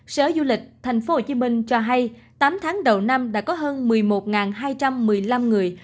sở du lịch thành phố hồ chí minh cho hay tám tháng đầu năm đã có hơn một mươi một hai trăm một mươi năm người